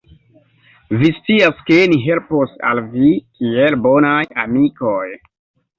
Vi scias, ke ni helpos al vi kiel bonaj amikoj.